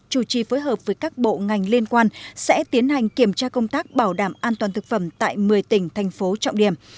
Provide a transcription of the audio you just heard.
chủ trì phối hợp với các bộ ngành liên quan sẽ tiến hành kiểm tra công tác bảo đảm an toàn thực phẩm tại một mươi tỉnh thành phố trọng điểm